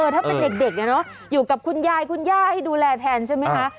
ถ้าเป็นเด็กเนี่ยเนอะอยู่กับคุณยายคุณย่าให้ดูแลแทนใช่ไหมคะ